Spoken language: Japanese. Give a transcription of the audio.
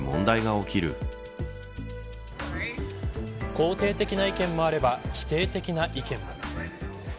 肯定的な意見もあれば否定的な意見も。